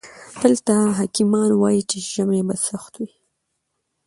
دلته حکيمان وايي چې ژمی به سخت وي.